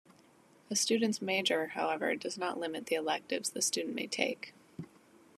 A student's major, however, does not limit the electives the student may take.